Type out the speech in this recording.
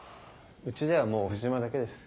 うちではもう藤間だけです。